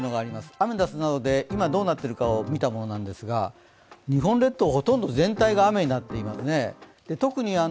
アメダスなどで今どうなっているかを見たものですが、日本列島、ほとんど全体が雨になっていますね。